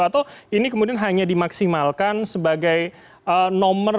atau ini kemudian hanya dimaksimalkan sebagai nomor